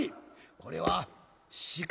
これは鹿か？」。